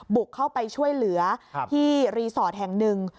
บุกเข้าไปช่วยเหลือที่รีสอร์ทแห่งหนึ่ง